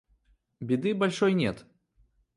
Беды большой нет.